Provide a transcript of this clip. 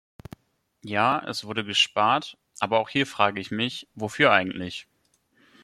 Ja, es wurde gespart, aber auch hier frage ich mich, wofür eigentlich?